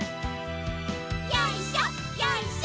よいしょよいしょ。